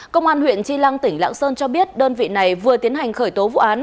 công an huyện tri lăng tỉnh lạng sơn cho biết đơn vị này vừa tiến hành khởi tố vụ án